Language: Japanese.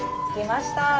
着きました。